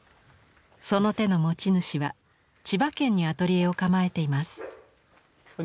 その手の持ち主は千葉県にアトリエを構えています。